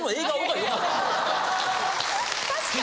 確かに。